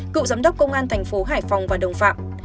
cựu giám đốc công an thành phố hải phòng và đồng phạm